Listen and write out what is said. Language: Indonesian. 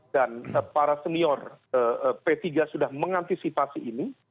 dan para senior p tiga sudah mengantisipasi ini